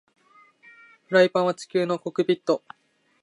フライパンは宇宙のコックピット